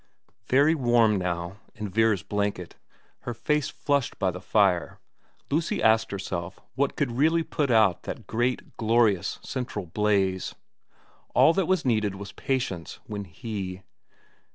Very warm now in Vera's blanket, her face flushed by the fire, Lucy asked herself what could really put out that great, glorious, central blaze. All that was needed was patience when he.